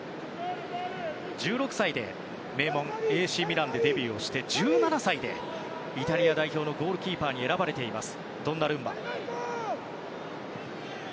１６歳で名門ＡＣミランでデビューして１７歳でイタリア代表のゴールキーパーに選ばれています。